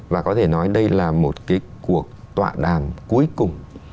và có thể nói đây là một cái cuộc tọa đàm cuối cùng